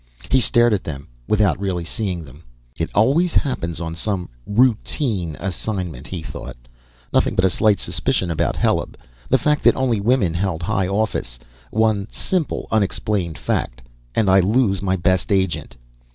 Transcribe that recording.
He stared at them without really seeing them. It always happens on some "routine" assignment, he thought. _Nothing but a slight suspicion about Heleb: the fact that only women held high office. One simple, unexplained fact ... and I lose my best agent!